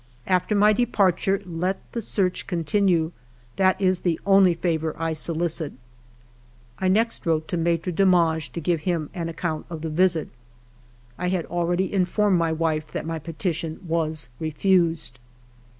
After my departure let the search continue; that is the only favor I solicit.'* I next wrote to Maitre Demange to give him an account of the visit. I had already informed my wife that my petition was refjsed.